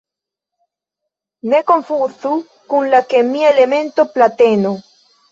Ne konfuzu kun la kemia elemento plateno.